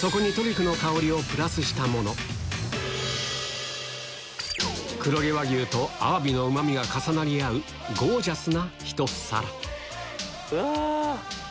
そこにトリュフの香りをプラスしたもの黒毛和牛とアワビのうま味が重なり合うゴージャスなひと皿うわ！